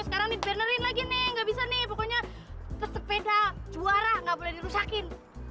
sekarang ini benerin lagi nih nggak bisa nih pokoknya sepeda juara nggak boleh dirusakin